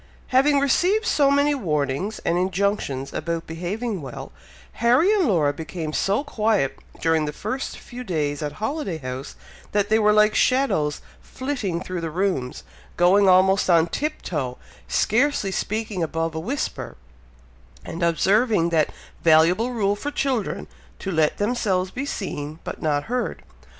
Having received so many warnings and injunctions about behaving well, Harry and Laura became so quiet during the first few days at Holiday House, that they were like shadows flitting through the rooms, going almost on tiptoe, scarcely speaking above a whisper, and observing that valuable rule for children, to let themselves be seen, but not heard.